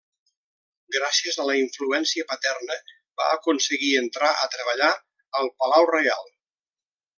Gràcies a la influència paterna va aconseguir entrar a treballar al palau reial.